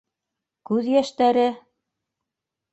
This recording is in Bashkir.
Күҙ йәштәре?